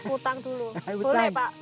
utang dulu boleh pak